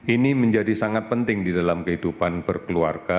ini menjadi sangat penting di dalam kehidupan berkeluarga